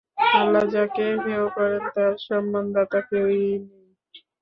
আল্লাহ যাকে হেয় করেন তার সম্মানদাতা কেউই নেই।